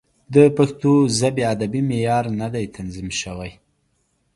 د پښتو ژبې ادبي معیار نه دی تنظیم شوی.